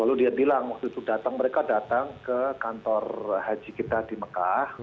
lalu dia bilang waktu itu datang mereka datang ke kantor haji kita di mekah